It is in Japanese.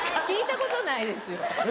聞いたことないですよ。